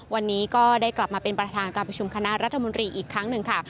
วันนี้ก็ได้กลับมาเป็นประธานการประชุมคณะรัฐมนตรีอีกครั้งหนึ่งค่ะ